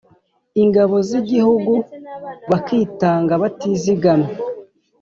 ingabo z'igihugu bakitanga batizigamye